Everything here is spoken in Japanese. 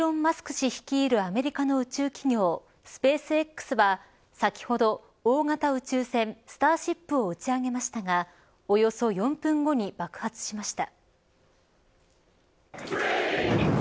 氏率いるアメリカの宇宙企業スペースＸは先ほど大型宇宙船スターシップを打ち上げましたがおよそ４分後に爆発しました。